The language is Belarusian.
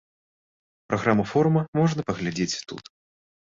Праграму форума можна паглядзець тут.